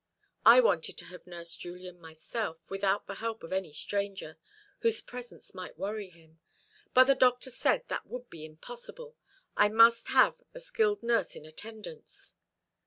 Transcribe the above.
I wanted to have nursed Julian myself, without the help of any stranger, whose presence might worry him: but the doctor said that would be impossible. I must have a skilled nurse in attendance.